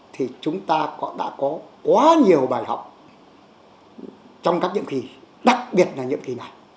thì chúng ta đã có quá nhiều bài học trong các nhiệm kỳ đặc biệt là nhiệm kỳ này